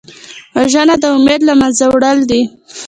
وژنه د امید له منځه وړل دي